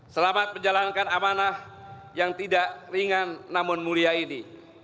selamat menjalankan amanah yang tidak ringan namun mulia ini